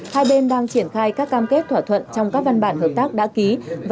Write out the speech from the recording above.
hai bên đang triển khai các cam kết thỏa thuận trong các văn bản hợp tác đã ký